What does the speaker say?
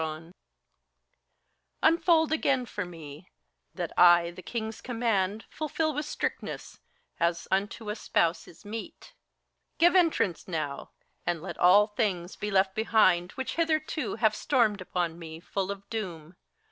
Unfold again for me, that I the King's command Fulfil with strictness, as unto a spouse is meet : Give entrance now, and let all things be left behind Which hitherto have stormed upon me, full of doom!